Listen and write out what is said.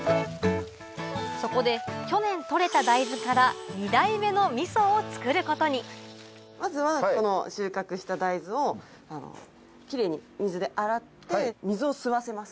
そこで去年取れた大豆からまずはこの収穫した大豆をキレイに水で洗って水を吸わせます。